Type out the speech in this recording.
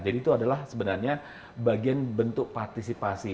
jadi itu adalah sebenarnya bagian bentuk partisipasi